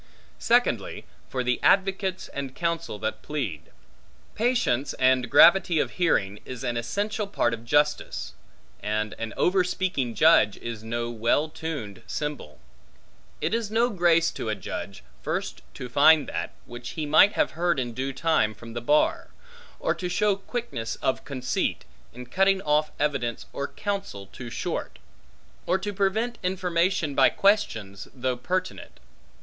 Secondly, for the advocates and counsel that plead. Patience and gravity of hearing, is an essential part of justice; and an overspeaking judge is no well tuned cymbal. It is no grace to a judge, first to find that, which he might have heard in due time from the bar; or to show quickness of conceit, in cutting off evidence or counsel too short; or to prevent information by questions, though pertinent.